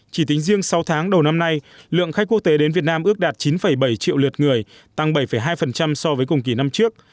chỉ tính riêng sáu tháng đầu năm nay lượng khách quốc tế đến việt nam ước đạt chín bảy triệu lượt người tăng bảy hai so với cùng kỳ năm trước